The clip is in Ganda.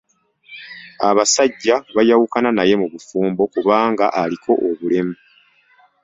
Abasajja bayawukana naye mu bufumbo kubanga aliko obulemu.